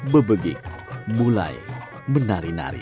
bebegik mulai menari nari